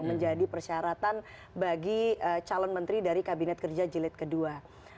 menjadi persyaratan bagi calon menteri dari kabinet kerja jilid ii